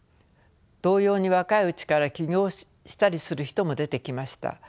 同様に若いうちから起業したりする人も出てきました。